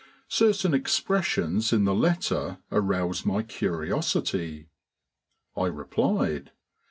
Certain expressions in the letter aroused my curiosity. I replied.